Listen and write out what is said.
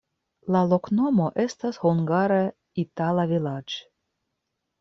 La loknomo estas hungare itala-vilaĝ'.